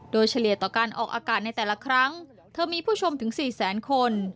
โดยเฉลี่ยต่อการออกอากาศในแต่ละครั้งเธอมีผู้ชมถึง๔แสนคน